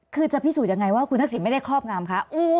คือจะพิสูจน์ยังไงว่าคุณทักษิณไม่ได้ครอบงามคะ